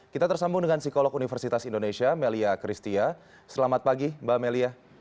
kita tersambung dengan psikolog universitas indonesia melia kristia selamat pagi mbak melia